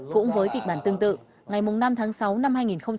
cũng với kịch bản tương tự ngày năm tháng sáu năm hai nghìn một mươi tám